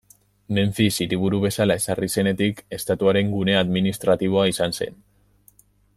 Menfis hiriburu bezala ezarri zenetik, estatuaren gune administratiboa izan zen.